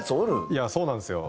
いやそうなんですよ。